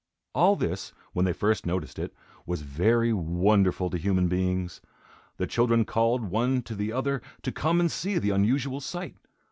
All this, when they first noticed it, was very wonderful to human beings. The children called one to the other to come and see the unusual sight.